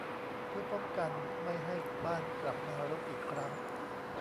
เพื่อป้องกันไม่ให้บ้านกลับมารกอีกครั้ง